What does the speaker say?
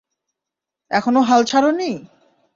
এখনো হাল ছাড়োনি?